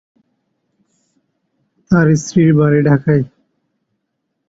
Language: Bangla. তার স্ত্রীর বাড়ি ঢাকায়।